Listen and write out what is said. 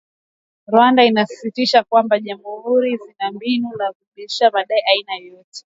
Rwanda inasisitiza kwamba Jamhuri ya kidemokrasia ya Kongo na Rwanda zina mbinu za kuthibitisha madai ya aina yoyote.